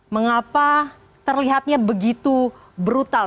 mengapa terlihatnya begitu brutal